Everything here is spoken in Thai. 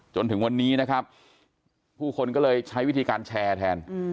จนถึงวันนี้นะครับผู้คนก็เลยใช้วิธีการแชร์แทน